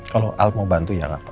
kalau al mau bantu ya apa